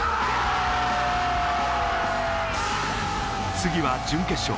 次は準決勝。